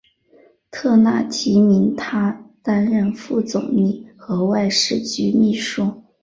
特纳提名他担任副总理和外事局秘书。